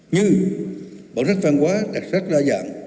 như bảo sách văn hóa đặc sách đa dạng